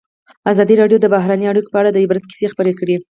ازادي راډیو د بهرنۍ اړیکې په اړه د عبرت کیسې خبر کړي.